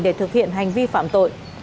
để thực hiện hành vi phạm tội